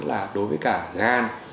là đối với cả gan